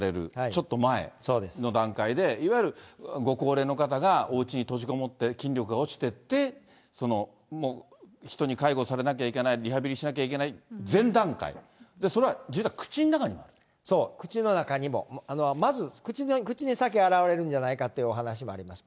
ちょっと前の段階で、いわゆるご高齢の方がおうちに閉じこもって、筋力が落ちてって、もう人に介護されなきゃいけない、リハビリしなきゃいけない前段階、それはじゃあ、そう、口の中にも、まず口に先現れるんじゃないかっていう、お話もあるんです。